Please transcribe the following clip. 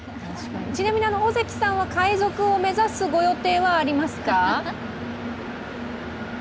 ちなみに、尾関さんは海賊を目指すご予定はありますか？